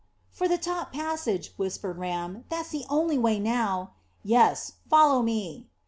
"For the top passage," whispered Ram. "That's the only way now." "Yes. Follow me."